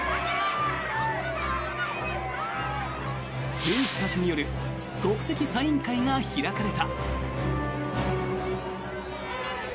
選手たちによる即席サイン会が開かれた。